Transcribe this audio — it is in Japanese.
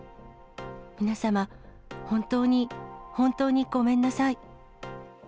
皆様、本当に本当にごめんなさい。